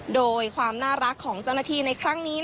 โดยความน่ารักของเจ้าหน้าที่ในครั้งนี้